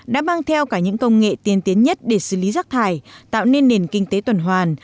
đã mang theo cả những công nghệ tiên tiến nhất để xử lý rác thải tạo nên nền kinh tế tuần hoàn